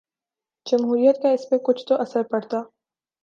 جمہوریت کا اس پہ کچھ تو اثر پڑتا۔